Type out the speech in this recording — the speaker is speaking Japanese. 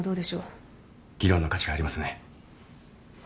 議論の価値がありますね。